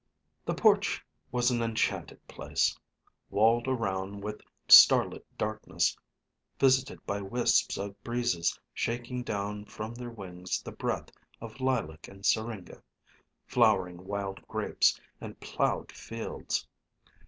The porch was an enchanted place, walled around with starlit darkness, visited by wisps of breezes shaking down from their wings the breath of lilac and syringa, flowering wild grapes, and plowed fields.